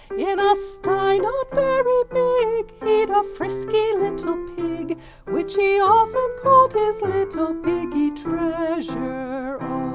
In a sty not very big He'd a frisky little pig, Which he often called his little piggy treasure O!